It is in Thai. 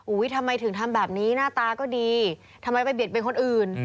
ทำไมถึงทำแบบนี้หน้าตาก็ดีทำไมไปเบียดเป็นคนอื่น